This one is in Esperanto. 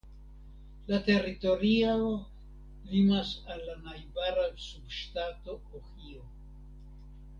La teritorio limas al la najbara subŝtato Ohio.